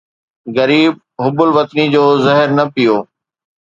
غريب حب الوطني جو زهر نه پيئو